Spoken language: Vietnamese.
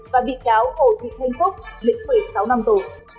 và bị cáo hồ thị thanh phúc lĩnh một mươi sáu năm tù